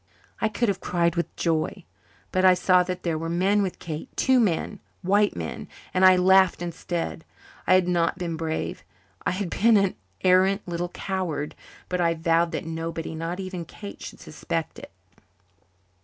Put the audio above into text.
I could have cried with joy. But I saw that there were men with Kate two men white men and I laughed instead. I had not been brave I had been an arrant little coward, but I vowed that nobody, not even Kate, should suspect it.